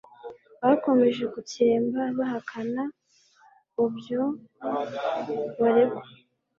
bakomeje gutsemba bahakana obyo baregwa